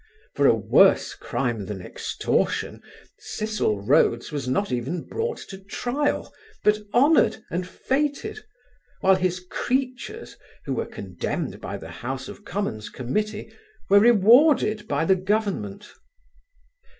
For a worse crime than extortion Cecil Rhodes was not even brought to trial, but honoured and fêted, while his creatures, who were condemned by the House of Commons Committee, were rewarded by the Government.